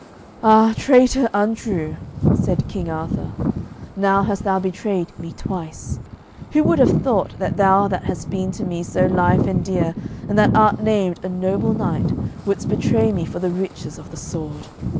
"Ah, traitor, untrue," said King Arthur, "now hast thou betrayed me twice. Who would have thought that thou that hast been to me so lief and dear, and that art named a noble knight, wouldest betray me for the riches of the sword.